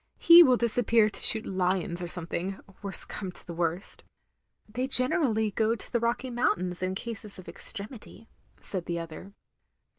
"He will disappear to shoot lions or something — ^worst come to the worst. " "They generally go to the Rocky Mountains in cases of extremity, " said the other.